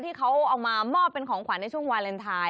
ที่เขาเอามามอบเป็นของขวัญในช่วงวาเลนไทย